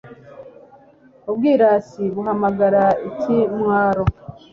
ubwirasi buhamagara ikimwaro